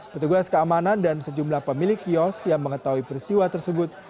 petugas keamanan dan sejumlah pemilik kios yang mengetahui peristiwa tersebut